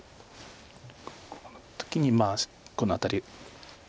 この時にまあこの辺り。